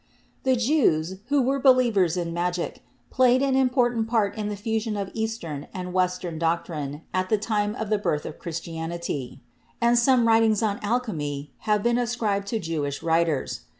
The Jews, who were believers in magic, played an im portant part in the fusion of eastern and western doc trine at the time of the birth of Christianity, and some 26 CHEMISTRY writings on alchemy have been ascribed to Jewish writers.